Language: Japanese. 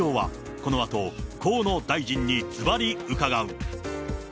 このあと、河野大臣にずばり伺う。